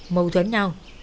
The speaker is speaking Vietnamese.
mâu thuẫn nhau